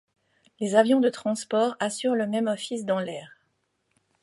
Les avions de transports assurent le même office dans l'air.